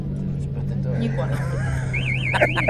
Nikuo nav pret itū.